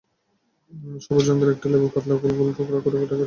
সবুজ রঙের একটি লেবু পাতলা গোল গোল টুকরা করে কেটে রাখুন।